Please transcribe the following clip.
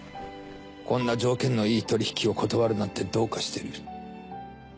こんな条件のいい取り引きを断るなんてどうかしてる。